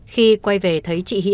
khi quay về thấy chiếc thẻ atm